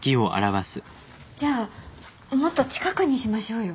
じゃあもっと近くにしましょうよ。